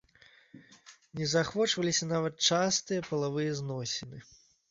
Не заахвочваліся нават частыя палавыя зносіны.